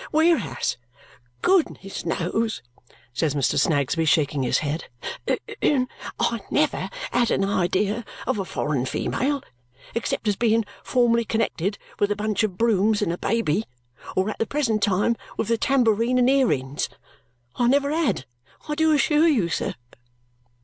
Whereas, goodness knows," says Mr. Snagsby, shaking his head, "I never had an idea of a foreign female, except as being formerly connected with a bunch of brooms and a baby, or at the present time with a tambourine and earrings. I never had, I do assure you, sir!"